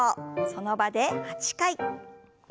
その場で８回。